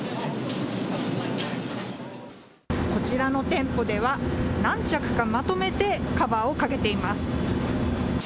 こちらの店舗では、何着かまとめて、カバーをかけています。